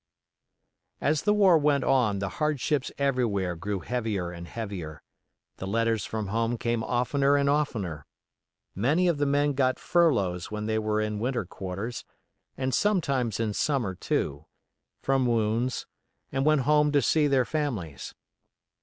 As the war went on the hardships everywhere grew heavier and heavier; the letters from home came oftener and oftener. Many of the men got furloughs when they were in winter quarters, and sometimes in summer, too, from wounds, and went home to see their families.